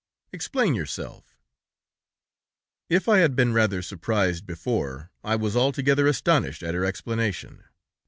Explain yourself!' "If I had been rather surprised before, I was altogether astonished at her explanation.